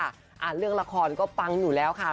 เรื่องละครก็ปังอยู่แล้วค่ะ